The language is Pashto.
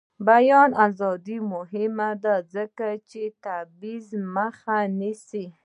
د بیان ازادي مهمه ده ځکه چې د تبعیض مخه نیسي.